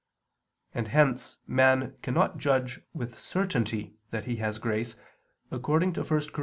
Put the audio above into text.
And hence man cannot judge with certainty that he has grace, according to 1 Cor.